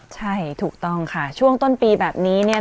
ใช่ถูกต้องค่ะช่วงต้นปีแบบนี้